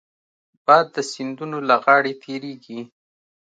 باد د سیندونو له غاړې تېرېږي